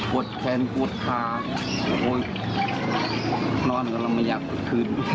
ปวดแขนปวดทางโอ้ยนอนก็เราไม่อยากกดขึ้น